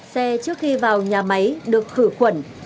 xe trước khi vào nhà máy được khử khuẩn